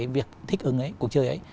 việc thích ứng cuộc chơi ấy